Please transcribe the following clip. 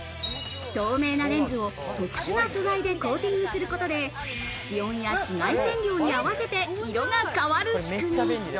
透明なレンズを特殊な素材でコーティングすることで気温や紫外線量に合わせて色が変わる仕組み。